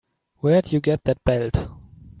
Where'd you get that belt?